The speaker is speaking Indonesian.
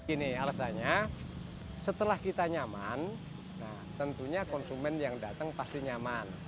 ini alasannya setelah kita nyaman tentunya konsumen yang datang pasti nyaman